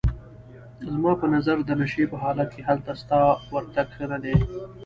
زما په نظر د نشې په حالت کې هلته ستا ورتګ ښه نه دی.